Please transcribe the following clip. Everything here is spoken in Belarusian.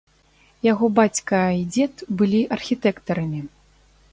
Яго бацька і дзед былі архітэктарамі.